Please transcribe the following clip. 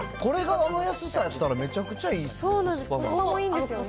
これがあの安さやったら、めちゃくちゃいいですね。